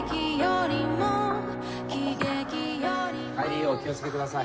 帰りお気を付けください。